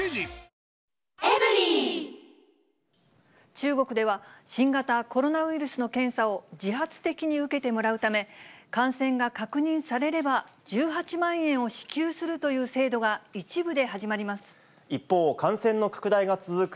中国では新型コロナウイルスの検査を自発的に受けてもらうため、感染が確認されれば１８万円を支給するという制度が、一部で始ま一方、感染の拡大が続く